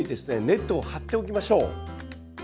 ネットを張っておきましょう。